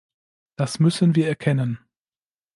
Das müssen wir erkennen.